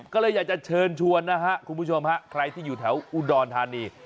ก็เลยอยากจะเชิญชวนนะฮะคุณผู้ชมฮะใครที่อยู่แถวอุดรธานี